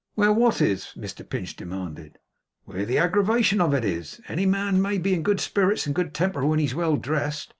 'Where what is?' Mr Pinch demanded. 'Where the aggravation of it is. Any man may be in good spirits and good temper when he's well dressed.